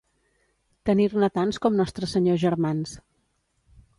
Tenir-ne tants com Nostre Senyor germans.